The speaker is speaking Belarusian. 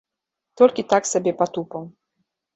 Толькі так сабе патупаў.